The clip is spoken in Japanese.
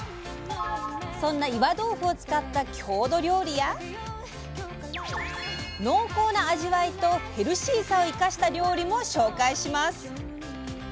そんな岩豆腐を使った郷土料理や濃厚な味わいとヘルシーさを生かした料理も紹介します。